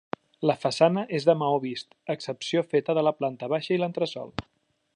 La façana és de maó vist, excepció feta de la planta baixa i l'entresòl.